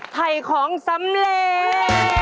ไถ่ของสำเร็จ